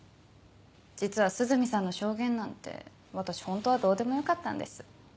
実は涼見さんの証言なんて私ホントはどうでもよかったんです。